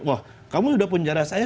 wah kamu sudah penjara saya